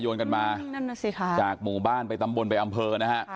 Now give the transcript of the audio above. กันมานั่นน่ะสิค่ะจากหมู่บ้านไปตำบลไปอำเภอนะฮะ